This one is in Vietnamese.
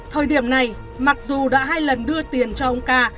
thời điểm này mặc dù đã hai lần đưa tiền cho ông ca